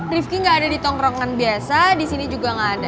rifki nggak ada di tongkrongan biasa di sini juga nggak ada